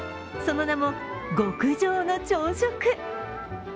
その名も、極上の朝食。